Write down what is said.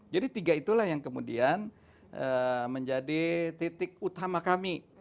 jadi tiga itulah yang kemudian menjadi titik utama kami